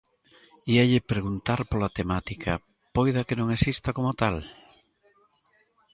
Íalle preguntar pola temática, poida que non exista como tal?